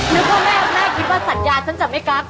ว่าแม่คิดว่าสัญญาฉันจะไม่กัก